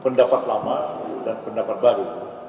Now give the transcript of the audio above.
pendapat lama dan pendapat baru